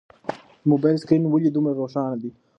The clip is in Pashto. د موبایل سکرین ولې دومره روښانه دی؟